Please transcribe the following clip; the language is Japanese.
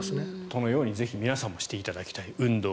そのようにぜひ皆さんもしていただきたい、運動。